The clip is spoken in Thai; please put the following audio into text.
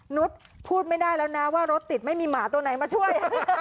นุษย์พูดไม่ได้แล้วนะว่ารถติดไม่มีหมาตัวไหนมาช่วย